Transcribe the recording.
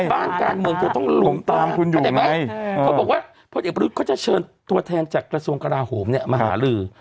บ้านการเมืองก็ต้องหลุมตามคุณอยู่ไหมเขาบอกว่าเพราะเด็กประดูกเขาจะเชิญตัวแทนจากกระทรวงกราโหมเนี่ยมหาลือ